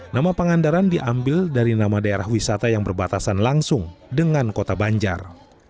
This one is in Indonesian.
nama pangandaran diambil dari nama daerah wisata yang berbatasan langsung dengan kota banjar